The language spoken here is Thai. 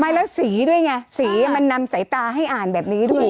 แล้วสีด้วยไงสีมันนำสายตาให้อ่านแบบนี้ด้วย